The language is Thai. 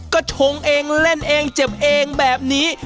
ก็ชงเองเล่นเองเจ็บเองแบบนี้